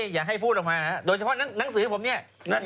อย่าให้พูดออกมาโดยเฉพาะหนังสือผมเนี่ย